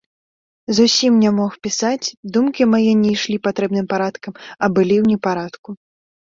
Зусім не мог пісаць, думкі мае не ішлі патрэбным парадкам, а былі ў непарадку.